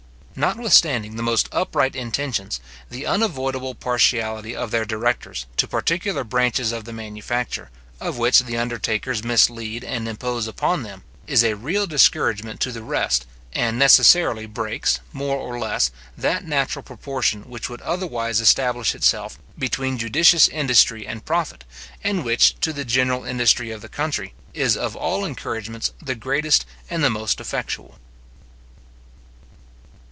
Notwithstanding the most upright intentions, the unavoidable partiality of their directors to particular branches of the manufacture, of which the undertakers mislead and impose upon them, is a real discouragement to the rest, and necessarily breaks, more or less, that natural proportion which would otherwise establish itself between judicious industry and profit, and which, to the general industry of the country, is of all encouragements the greatest and the most effectual.